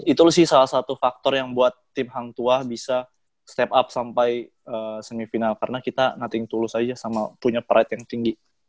itu sih salah satu faktor yang buat tim hang tuah bisa step up sampai semifinal karena kita nothing tool saja punya pride yang tinggi